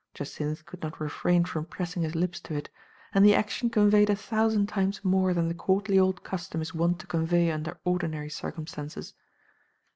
Jacynth could not refrain from pressing his lips to it, and the action conveyed a thousand times more than the courtly old custom is wont to con vey under ordinary circumstances.